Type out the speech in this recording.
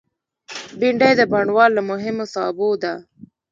بېنډۍ د بڼوال له مهمو سابو ده